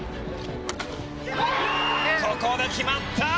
ここで決まった！